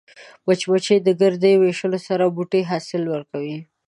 مچمچۍ د ګردې ویشلو سره بوټي حاصل ورکوي